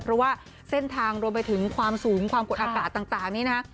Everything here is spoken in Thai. เพราะว่าเส้นทางรวมไปถึงความสูงความกดอากาศต่างนี้นะฮะ